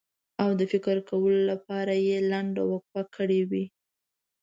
او د فکر کولو لپاره یې لنډه وقفه کړې وي.